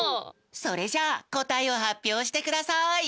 それじゃあこたえをはっぴょうしてください！